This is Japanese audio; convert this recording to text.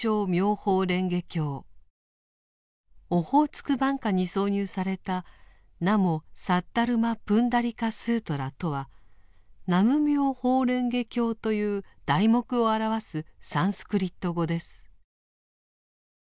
「オホーツク挽歌」に挿入された「ナモ・サッダルマ・プンダリカ・スートラ」とは「南無妙法蓮華経」という題目を表すサンスクリット語です。